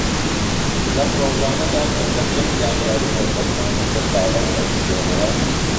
لەم ڕۆژانەدا کە سەرجەم زانیاری بەردەستمان لەسەر کاغەز دەنووسرێنەوە